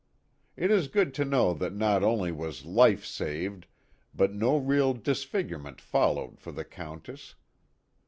It is good to know that not only was life saved but no real disfigurement followed for the Countess.